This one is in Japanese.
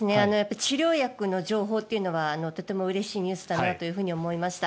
治療薬の情報というのはとてもうれしいニュースだなと思いました。